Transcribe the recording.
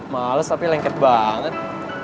males tapi lengket banget